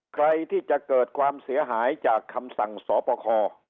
ใครที่จะเกิดความเสียหายจากคำสั่งสปค